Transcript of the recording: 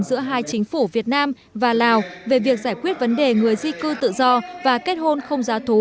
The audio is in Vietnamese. giữa hai chính phủ việt nam và lào về việc giải quyết vấn đề người di cư tự do và kết hôn không giá thú